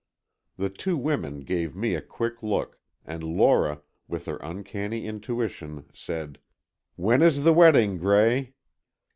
The two women gave me a quick look, and Lora, with her uncanny intuition, said: "When is the wedding, Gray?"